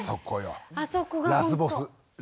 あれがラスボス。